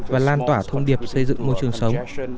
và lan tỏa thông điệp xây dựng môi trường sống